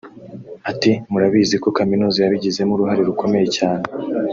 Ati “ Murabizi ko Kaminuza yabigizemo uruhare rukomeye cyane